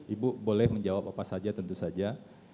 ibu boleh menjawab apa saja tentu saja